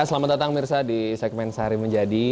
selamat datang mirsa di segmen sehari menjadi